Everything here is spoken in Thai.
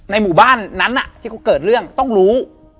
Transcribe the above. หมู่บ้านนั้นที่เขาเกิดเรื่องต้องรู้